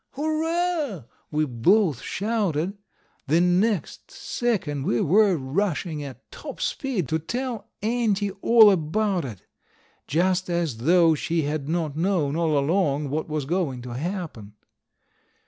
"Hurrah!" we both shouted. The next second we were rushing at top speed to tell Auntie all about it; just as though she had not known all along what was going to happen.